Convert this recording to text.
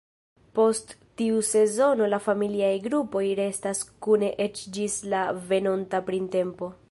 Post tiu sezono la familiaj grupoj restas kune eĉ ĝis la venonta printempo.